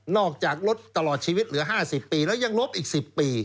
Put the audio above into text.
จากลดตลอดชีวิตเหลือ๕๐ปีแล้วยังลบอีก๑๐ปี